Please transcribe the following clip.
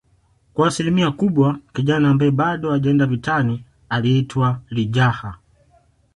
kwa asilimia kubwa kijana ambaye bado hajaenda vitani aliitwa lijaha